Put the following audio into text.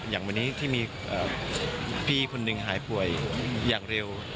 อย่างวันนี้ที่มีพี่คนหนึ่งหายป่วยอย่างเร็ว